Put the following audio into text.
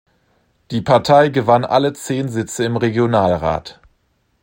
Die Partei gewann alle zehn Sitze im Regionalrat.